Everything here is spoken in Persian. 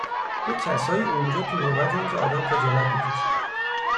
یه کسایی اونجا تو نوبتن که آدم خجالت می کشه